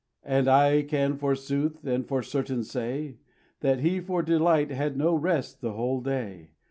And I can forsooth and for certainty say, That he for delight had no rest the whole day.